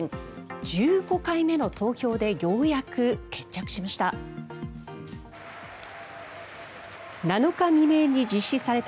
１５回目の投票でようやく決着しました。